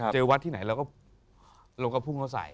เจอวัดที่ไหนเราก็พุ่งเขาใส่